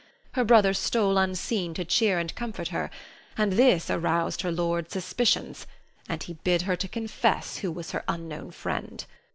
Her brother stole unseen to cheer and comfort her, and this aroused her lord's suspicions, and he bid her to confess who was her unknown friend.